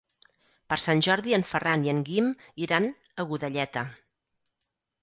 Per Sant Jordi en Ferran i en Guim iran a Godelleta.